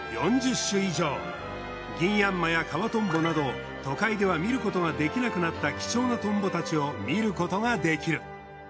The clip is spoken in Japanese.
ギンヤンマやカワトンボなど都会では見ることができなくなった貴重なトンボたちを見ることができる。